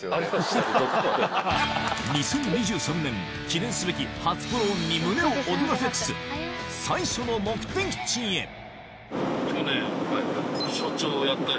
２０２３年記念すべき初ポロンに胸を躍らせつつ署長やったり。